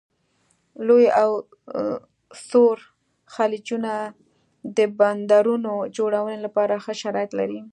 لوی او ژور خلیجونه د بندرونو جوړونې لپاره ښه شرایط لري.